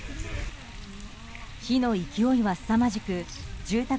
火の勢いはすさまじく住宅